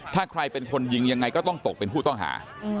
ถ้าใครเป็นคนยิงยังไงก็ต้องตกเป็นผู้ต้องหา